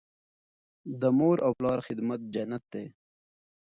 د مور او پلار خدمت جنت دی.